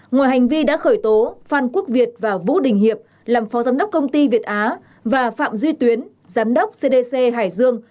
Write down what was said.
ngoài hành vi đã khởi tố phan quốc việt và vũ đình hiệp làm phó giám đốc công ty việt á và phạm duy tuyến giám đốc cdc hải dương